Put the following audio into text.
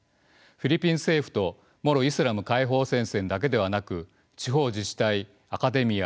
フィリピン政府とモロ・イスラム解放戦線だけではなく地方自治体アカデミア